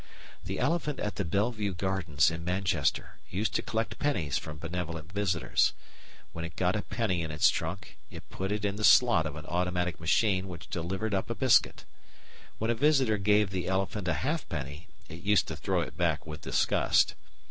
The elephant at the Belle Vue Gardens in Manchester used to collect pennies from benevolent visitors. When it got a penny in its trunk it put it in the slot of an automatic machine which delivered up a biscuit. When a visitor gave the elephant a halfpenny it used to throw it back with disgust.